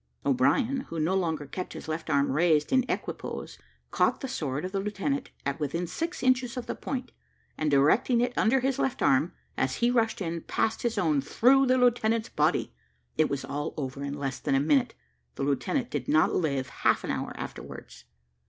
O'Brien, who no longer kept his left arm raised in equipoise, caught the sword of the lieutenant at within six inches of the point, and directing it under his left arm, as he rushed in, passed his own through the lieutenant's body. It was all over in less than a minute the lieutenant did not live half an hour afterwards.